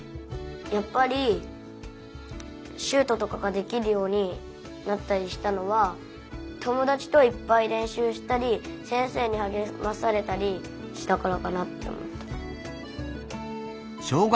やっぱりシュートとかができるようになったりしたのは友だちといっぱいれんしゅうしたり先生にはげまされたりしたからかなっておもった。